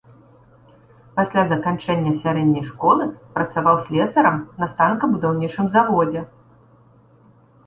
Пасля заканчэння сярэдняй школы працаваў слесарам на станкабудаўнічым заводзе.